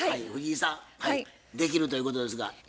藤井さんできるということですが？